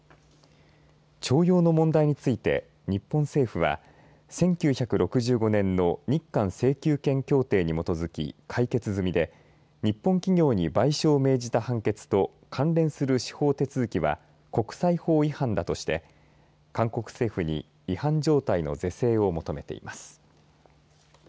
徴用の問題について日本政府は１９６５年の日韓請求権協定に基づき解決済みで日本企業に賠償を命じた判決と関連する司法手続きは国際法違反だとして韓国政府に違反状態の是正を求めています。